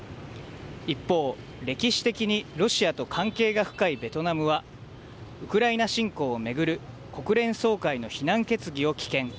一方、歴史的にロシアと関係が深いベトナムはウクライナ侵攻をめぐる国連総会の非難決議を棄権。